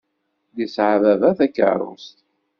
Yesɛa baba takeṛṛust.